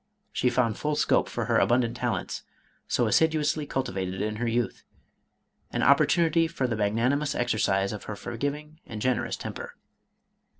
She found full scope for her abundant talents, so assiduously cultivated in her youth, and opportu nity for the magnanimous exercise of her forgiving and generous temper.